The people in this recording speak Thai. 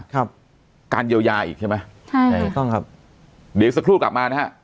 ครับการเยียวยาอีกใช่ไหมใช่ใช่ถูกต้องครับเดี๋ยวสักครู่กลับมานะฮะ